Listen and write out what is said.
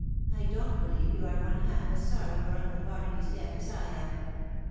... I don't believe you are one half as sorry for uncle Barnaby's death as I am."